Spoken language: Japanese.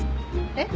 えっ？